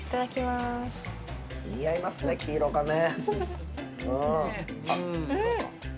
似合いますね、黄色がね。